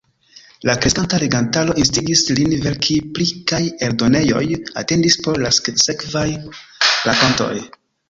La kreskanta legantaro instigis lin verki pli kaj eldonejoj atendis por la sekvaj rakontoj.